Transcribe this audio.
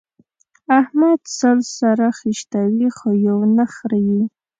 احمد سل سره خيشتوي؛ خو يو نه خرېي.